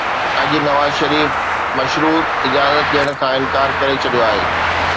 اڄ نواز شريف مشروط اجازت ڏيڻ کان انڪار ڪري ڇڏيو آهي.